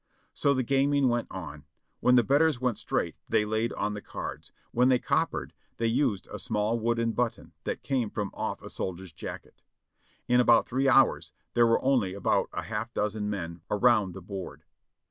So the gaming went on. When the betters went straight they laid on the cards ; when they cop pered they used a small wooden button that came from ofif a soldier's jacket. In about three hours there were only about a half dozen men around the board.